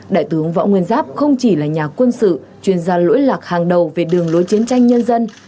đại tướng võ nguyên giáp không chỉ là nhà quân sự chuyên gia lỗi lạc hàng đầu về đường lối chiến tranh nhân dân